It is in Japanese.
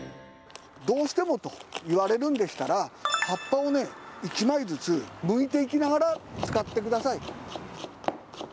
どうしてもと言われるんでしたら、葉っぱを１枚ずつむいていきながら使ってください。